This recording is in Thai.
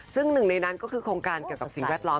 ซึ่งหนึ่งในนั้นก็คือโครงการเกี่ยวกับสิ่งแวดล้อม